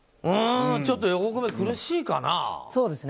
ちょっと横粂、苦しいかな。